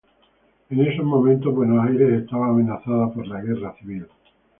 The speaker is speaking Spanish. En esos momentos Buenos Aires estaba amenazada por la guerra civil.